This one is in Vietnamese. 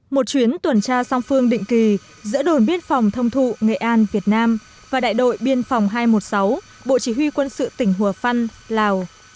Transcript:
một chuyến tuần tra song phương định kỳ giữa đồn biên phòng thông thụ nghệ an việt nam và đại đội biên phòng hai trăm một mươi sáu bộ chỉ huy quân sự tỉnh hùa phân lào